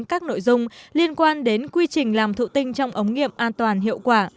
các nội dung liên quan đến quy trình làm thụ tinh trong ống nghiệm an toàn hiệu quả